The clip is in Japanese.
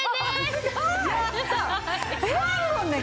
すごーい！